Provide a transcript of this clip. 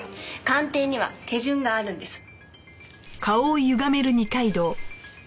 鑑定には手順があるんです。